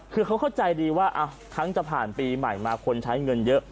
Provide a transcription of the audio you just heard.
คือเขาเข้าใจดีว่าทั้งจะผ่านปีใหม่มาคนใช้เงินเยอะ